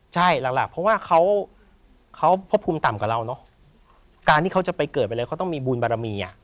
ใช่หลักเพราะว่าเขาพบภูมิต่ำกว่าเราเนอะการที่เขาจะไปเกิดไปเลยเขาต้องมีบุญบารมีอ่ะ